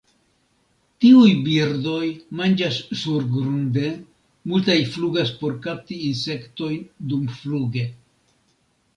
Tiuj birdoj manĝas surgrunde, multaj flugas por kapti insektojn dumfluge.